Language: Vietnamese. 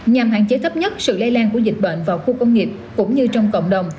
nhằm hạn chế thấp nhất sự lây lan của dịch bệnh vào khu công nghiệp cũng như trong cộng đồng